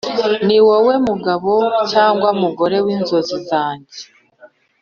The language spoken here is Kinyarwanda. ni wowe mugabo cyangwa mugore w’inzozi zanjye